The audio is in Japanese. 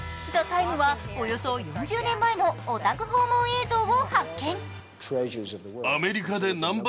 「ＴＨＥＴＩＭＥ，」はおよそ４０年前のお宅訪問映像を発見。